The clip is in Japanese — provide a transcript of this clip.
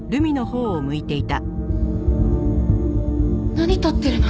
何撮ってるの？